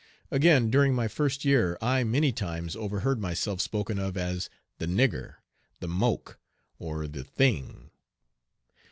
Again, during my first year I many times overheard myself spoken of as "the nigger," "the moke," or "the thing."